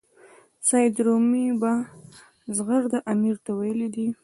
سید رومي په زغرده امیر ته ویلي دي.